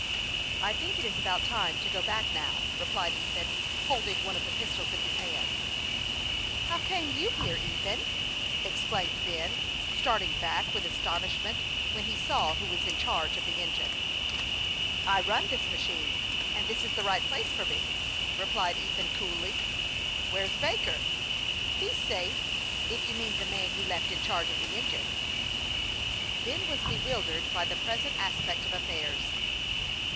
" I think it is about time to go back, now," replied Ethan, holding one of the pistols in his hand. "How came you here, Ethan?" exclaimed Ben, 298 HASTE AND WASTE, OR starting back with astonishment when he saw who was in charge of the engine. " I run this machine, and this is the right place for me," replied Ethan, coolly. " Where's Baker ?"" He's safe ; if you mean the man you left in charge of the engine." Ben was bewildered by the present aspect of af fairs.